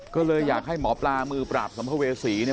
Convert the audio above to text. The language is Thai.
ก็เลยอยากให้หมอปลามือปราบสมพเวศี